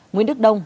nguyễn đức đông